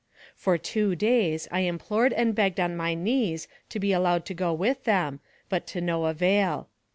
For two days I implored and begged on my knees to be allowed to go with them, but to no avail.